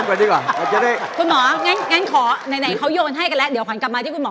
คุณหมองั้นขอไหนเขาโยนให้กันแล้วเดี๋ยวขวัญกลับมาที่คุณหมอ